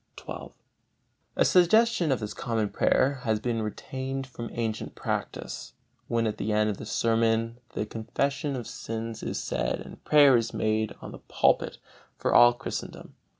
XII. A suggestion of this common prayer has been retained from ancient practice, when at the end of the sermon the Confession of Sins is said and prayer is made on the pulpit for all Christendom.